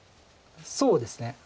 そうですね。